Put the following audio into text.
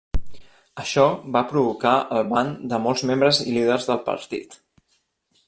Això va provocar el ban de molts membres i líders del partit.